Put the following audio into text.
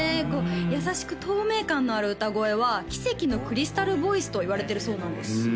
優しく透明感のある歌声は奇跡のクリスタルボイスといわれてるそうなんです